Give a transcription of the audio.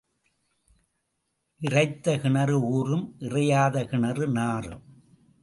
இறைத்த கிணறு ஊறும் இறையாத கிணறு நாறும்.